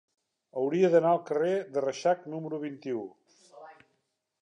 Hauria d'anar al carrer de Reixac número vint-i-u.